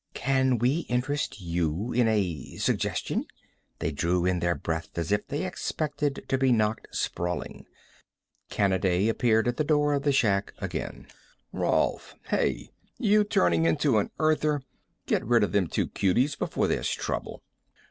"Can we interest you in a suggestion?" They drew in their breath as if they expected to be knocked sprawling. Kanaday appeared at the door of the shack again. "Rolf. Hey! You turning into an Earther? Get rid of them two cuties before there's trouble."